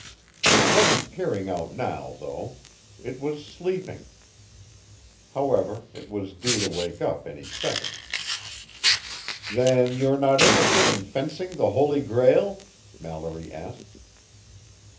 It wasn't peering out now, though. It was sleeping. However, it was due to wake up any second. "Then you're not interested in fencing the Holy Grail?" Mallory asked.